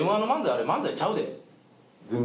あれ漫才ちゃうで。